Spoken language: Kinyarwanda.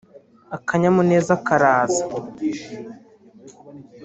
Akanyamuneza karaza